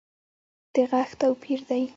د غږ توپیر دی